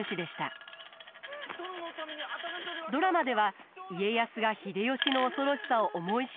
ドラマでは家康が秀吉の恐ろしさを思い知る様が描かれます。